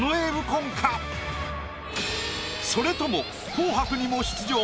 それとも「紅白」にも出場